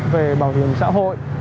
về bảo hiểm xã hội